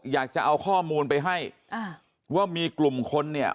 อยากจะเอาข้อมูลไปให้อ่าว่ามีกลุ่มคนเนี่ย